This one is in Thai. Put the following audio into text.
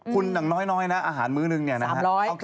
คุณหน่อยอาหารมื้อนึงนี่นะครับ๓๐๐